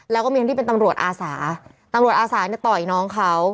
แล้วก็มีทั้งที่เป็นตำรวจอาสาตำรวจอาสาเนี่ยต่อยน้องเขา